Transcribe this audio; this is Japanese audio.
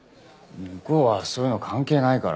向こうはそういうの関係ないから。